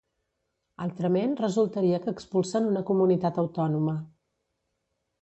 Altrament, resultaria que expulsen una comunitat autònoma.